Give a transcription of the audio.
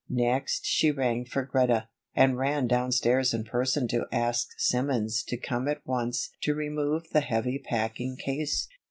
Next she rang for Greta, and ran downstairs in person to ask Simmons to come at once to remove the heavy packing case.